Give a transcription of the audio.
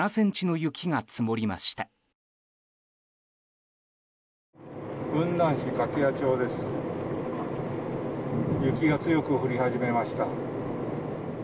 雪が強く降り始めました。